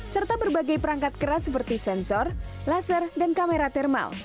serta berbagai perangkat keras seperti sensor laser dan kamera thermal